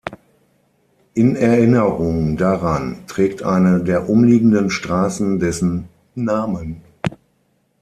In Erinnerung daran trägt eine der umliegenden Straßen dessen Namen.